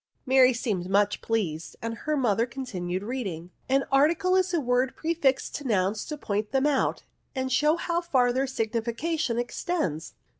Mary seemed much pleased, and her mother con tinued reading. " An article is a word pre fixed to nouns to point them out, and show how far their signification extends."